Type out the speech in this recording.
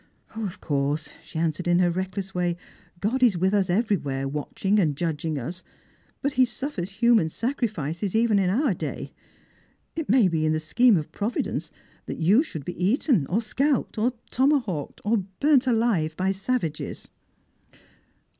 " Of course," she answered in her reckless way, " God is with as everywhere, watching and judging us. But He sufi'ers human Bacrifices, even in our day. It may be in the scheme of Provi dence that you should be eaten, or scalped, or tomahawked, or \urnt alive by savages."